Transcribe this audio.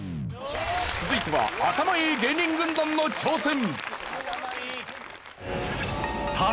続いてはアタマいい芸人軍団の挑戦！